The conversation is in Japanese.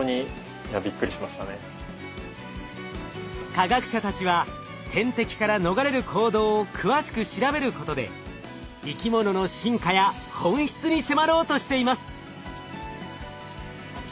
科学者たちは天敵から逃れる行動を詳しく調べることで生き物の進化や本質に迫ろうとしています。